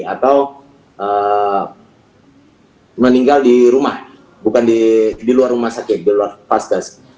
atau meninggal di rumah bukan di luar rumah sakit di luar paskes